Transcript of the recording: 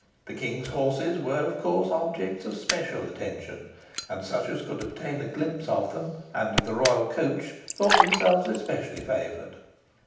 The King's horses were, of course, objects of special attraction, and such as could obtain a glimpse of them and of the royal coach thought themselves especially favoured.